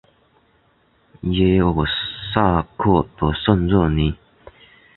耶尔萨克的圣热尼。